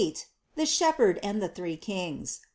THE SHEPHERD AND THE THREE KINGS.